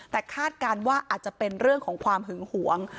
แต่คาดการณ์ว่าอาจจะเป็นเรื่องของความหึงหวง